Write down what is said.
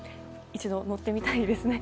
一度乗ってみたいですね。